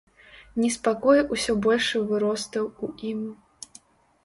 Неспакой усё большы выростаў у ім.